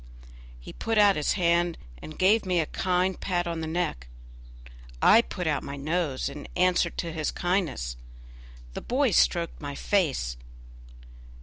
He put out his hand and gave me a kind pat on the neck. I put out my nose in answer to his kindness; the boy stroked my face.